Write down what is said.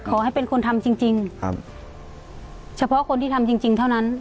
ขอให้เป็นคนทำจริงเฉพาะคนที่ทำจริงเท่านั้น